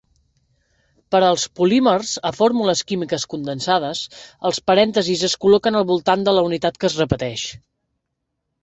Per als polímers a fórmules químiques condensades, els parèntesis es col·loquen al voltant de la unitat que es repeteix.